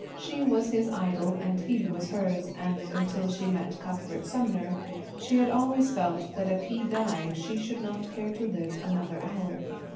She was his idol, and he was hers, and until she met Cuthbert Sumner she had always felt that if he died she should not care to live another hour.